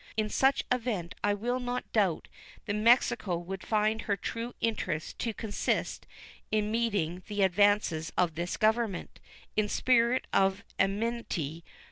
In such event I will not doubt but that Mexico would find her true interest to consist in meeting the advances of this Government in a spirit of amity.